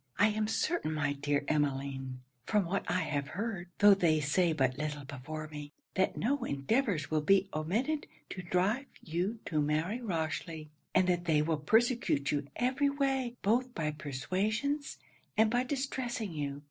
I am certain, my dear Emmeline, from what I have heard, tho' they say but little before me, that no endeavours will be omitted to drive you to marry Rochely; and that they will persecute you every way, both by persuasions, and by distressing you.